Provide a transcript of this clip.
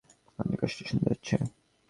অনেক কষ্টে শুনতে হচ্ছে।